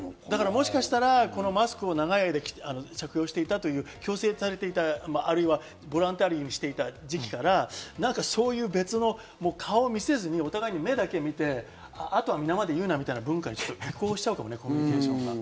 もしかしたらマスクを長い間、着用していたという強制されていた、あるいはボランタリーにしていた時期から別の顔を見せずにお互い目だけ見て、あとは、みなまで言うなみたいな文化に移行しちゃうと思います。